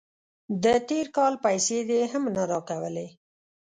د تیر کال پیسې دې هم نه راکولې.